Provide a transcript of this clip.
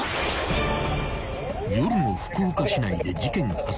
［夜の福岡市内で事件発生］